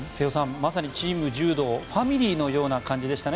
まさに、チーム柔道ファミリーのような感じでしたね